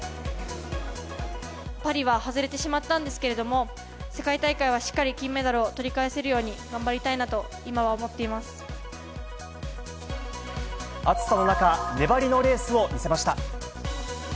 パリは外れてしまったんですけれども、世界大会はしっかり金メダルをとり返せるように頑張りたいなと今暑さの中、粘りのレースを見せました。